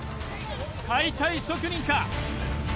解体職人か？